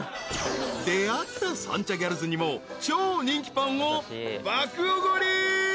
［出会った三茶ギャルズにも超人気パンを爆おごり］